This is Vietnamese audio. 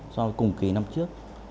so với cùng kỳ năm trước